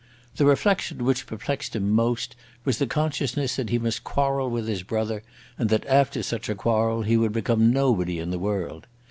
The reflection which perplexed him most was the consciousness that he must quarrel with his brother, and that after such a quarrel he would become nobody in the world.